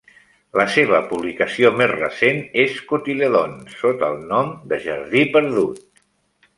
La seva publicació més recent és "Cotyledon" sota el nom de Jardí Perdut.